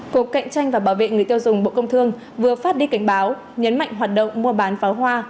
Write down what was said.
cục cạnh tranh và bảo vệ người tiêu dùng bộ công thương vừa phát đi cảnh báo nhấn mạnh hoạt động mua bán pháo hoa